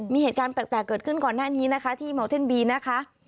มีเหตุการณ์แปลกเกิดขึ้นก่อนหน้านี้นะคะที่เมาเทนบีนะคะ